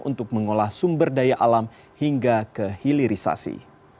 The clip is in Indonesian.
untuk mengolah sumber daya alam hingga ke hilirisasi